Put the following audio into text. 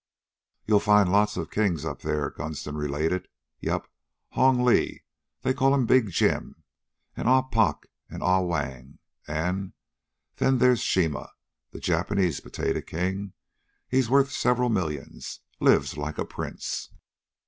"You'll find lots of kings up there," Gunston related. "Yep Hong Lee they call him 'Big Jim,' and Ah Pock, and Ah Whang, and then there's Shima, the Japanese potato king. He's worth several millions. Lives like a prince."